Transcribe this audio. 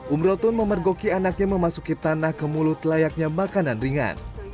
umrotun memergoki anaknya memasuki tanah ke mulut layaknya makanan ringan